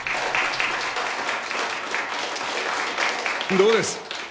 どうです？